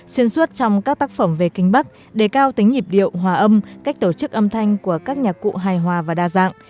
xuyên suốt trong các tác phẩm về kinh bắc đề cao tính nhịp điệu hòa âm cách tổ chức âm thanh của các nhạc cụ hài hòa và đa dạng